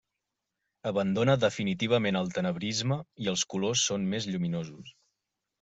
Abandona definitivament el tenebrisme i els colors són més lluminosos.